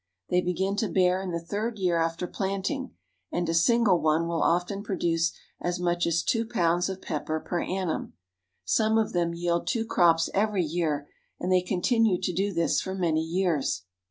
They begin to bear in the third year after plant ing, and a single one will often produce as much as two pounds of pepper per annum. Some of them yield two crops every year, and they continue to do this for many years.